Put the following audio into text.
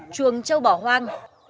trường châu bỏ hoang